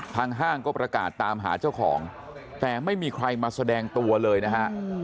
ห้างก็ประกาศตามหาเจ้าของแต่ไม่มีใครมาแสดงตัวเลยนะฮะ